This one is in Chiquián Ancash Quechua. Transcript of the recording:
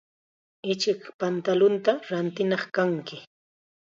Ichik pantalunta rintinaq kanki.